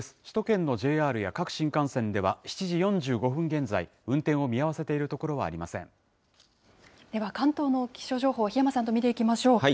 首都圏のＪＲや各新幹線では７時４５分現在、運転を見合わせていでは関東の気象情報、檜山さんと見ていきましょう。